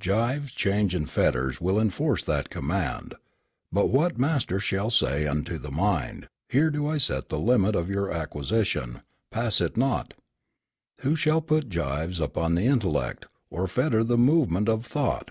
Gyves, chains and fetters will enforce that command. But what master shall say unto the mind, "Here do I set the limit of your acquisition. Pass it not"? Who shall put gyves upon the intellect, or fetter the movement of thought?